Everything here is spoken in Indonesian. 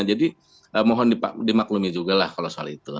jadi mohon dimaklumi juga lah kalau soal itu